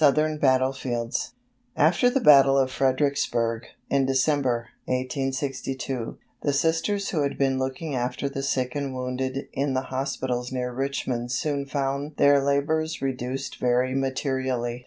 After the battle of Fredericksburg, in December, 1862, the Sisters who had been looking after the sick and wounded in the hospitals near Richmond soon found their labors reduced very materially.